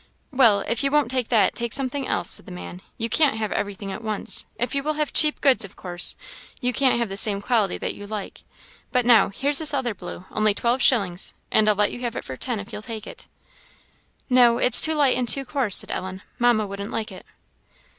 "Well, if you won't take that, take something else," said the man; "you can't have everything at once; if you will have cheap goods, of course you can't have the same quality that you like; but now, here's this other blue, only twelve shillings, and I'll let you have it for ten, if you'll take it." "No, it is too light and too coarse," said Ellen; "Mamma wouldn't like it."